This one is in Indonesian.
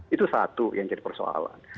itu satu yang jadi persoalan